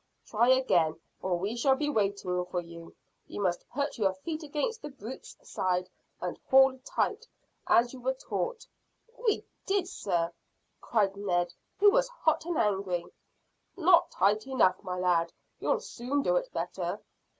"Try again, or we shall be waiting for you. You must put your feet against the brute's side and haul tight, as you were taught." "We did, sir," cried Ned, who was hot and angry. "Not tight enough, my lad. You'll soon do it better."